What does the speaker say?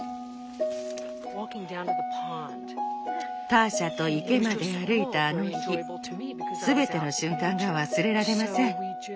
Ｎｏ．ターシャと池まで歩いたあの日全ての瞬間が忘れられません。